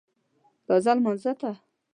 راځه لمانځه ته